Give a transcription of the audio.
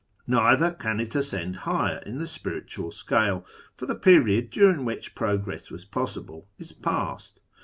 Neither can it ascend higher in IIkj spiritual scale, for the period during which progress was possible is past.